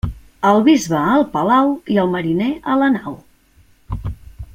El bisbe al palau, i el mariner a la nau.